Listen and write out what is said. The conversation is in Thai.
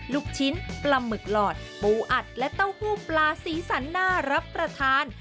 ลูกชิ้นปลาหมึกหลอดปูอัดและเต้าหู้ปลาสีสันน่ารับประทาน